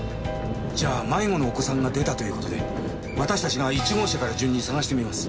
じゃあ迷子のお子さんが出たという事で私たちが１号車から順に捜してみます。